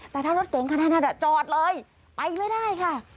แต่ถ้ารถเก๋งขนาดนั้นจอดเลยไปไม่ได้ค่ะ